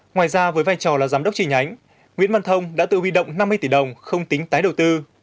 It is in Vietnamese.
ngoài ra với vai trò là giám đốc trình nhánh nguyễn văn thông đã tự huy động năm mươi tỷ đồng không tính tái đầu tư